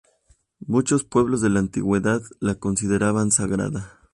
Muchos pueblos de la antigüedad la consideraban sagrada.